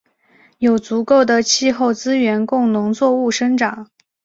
有足够的气候资源供农作物生长。